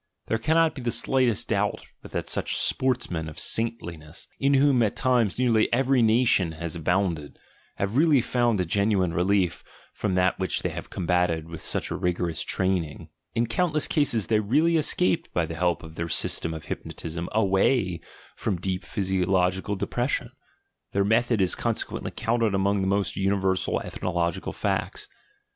There cannot be the slightest doubt but that such sportsmen of "saintliness," in whom at times nearly ASCETIC IDEALS 141 every nation has abounded, have really found a genuine relief from that which they have combated with such a rigorous training — in countless cases they really escaped by the help of their system of hypnotism away from deep physiological depression; their method is consequently counted among the most universal ethnological facts.